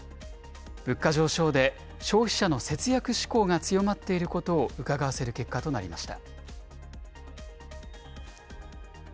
物価上昇で、消費者の節約志向が強まっていることをうかがわせる結果となりました。